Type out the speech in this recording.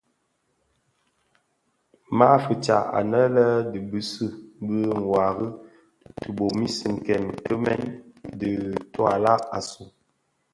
Ma fitsa anë a dhi bisi bi ňwari tibomis nken kimèn dhi toilag asu,